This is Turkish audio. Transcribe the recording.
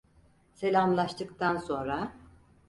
Selâmlaştıktan sonra...